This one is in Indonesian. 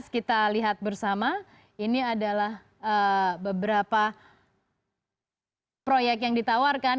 kita lihat bersama ini adalah beberapa proyek yang ditawarkan